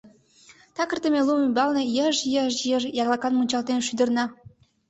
Такыртыме лум ӱмбалне йыж-йыж-йыж яклакан мунчалтен шӱдырна.